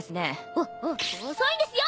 おお遅いんですよ！